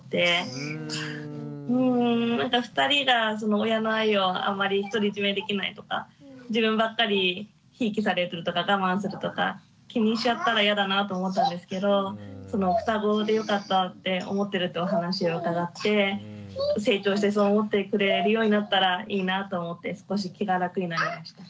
うんなんか２人が親の愛をあまり独り占めできないとか自分ばっかりひいきされるとか我慢するとか気にしちゃったら嫌だなと思ったんですけどふたごでよかったって思ってるってお話を伺って成長してそう思ってくれるようになったらいいなと思って少し気が楽になりました。